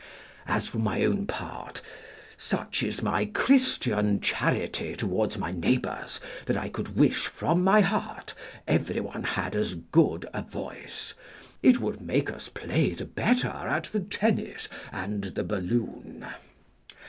As for my own part, such is my Christian charity towards my neighbours, that I could wish from my heart everyone had as good a voice; it would make us play the better at the tennis and the balloon.